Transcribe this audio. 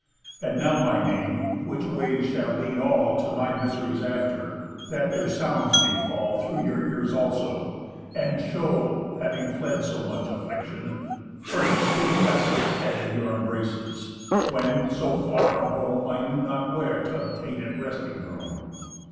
And now my name; which way shall lead to all My mis'ries after, that their sounds may fall Through your ears also, and show (having fled So much affliction) first, who rests his head In your embraces, when, so far from home, I knew not where t' obtain it resting room.